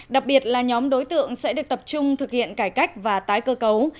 đặc biệt là nhóm đối tượng sẽ được tập trung thực hiện cải cách và tái cơ cấu